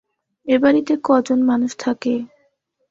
এ-বাড়িতে ক জন মানুষ থাকে?